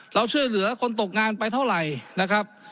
เราช่วยเหลือคนตกงานไปเท่าไหร่นะครับ